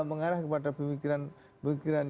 mengarah kepada pemikiran